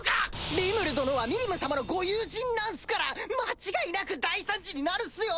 リムル殿はミリム様のご友人なんすから間違いなく大惨事になるっすよ！